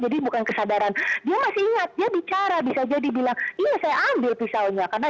jadi bukan kesadaran dia masih ingat dia bicara bisa jadi bilang iya saya ambil pisaunya karena